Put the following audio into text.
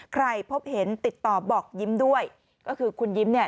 ใครพบเห็นติดต่อบอกยิ้มด้วยก็คือคุณยิ้มเนี่ย